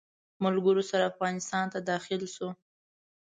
ملګرو سره افغانستان ته داخل شو.